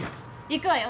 行くわよ